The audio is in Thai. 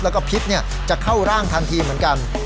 แล้วก็พิษจะเข้าร่างทันทีเหมือนกัน